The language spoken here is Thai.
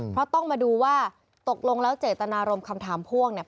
เพราะต้องมาดูว่าตกลงแล้วเจตนารมณ์คำถามพ่วงเนี่ย